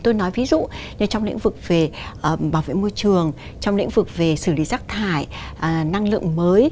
tôi nói ví dụ như trong lĩnh vực về bảo vệ môi trường trong lĩnh vực về xử lý rác thải năng lượng mới